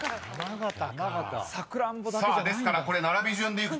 ［ですから並び順でいくと］